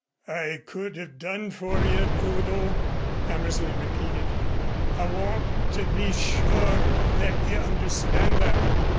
"I could have done for you, Udo," Hammersley repeated. "I want to be sure that you understand that."